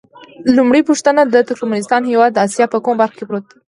لومړۍ پوښتنه: د ترکمنستان هېواد د اسیا په کومه برخه کې پروت دی؟